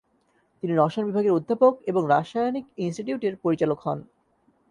তিনি রসায়ন বিভাগের অধ্যাপক এবং রাসায়নিক ইনস্টিটিউটের পরিচালক হন।